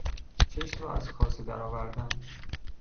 چشم را از کاسه در آوردن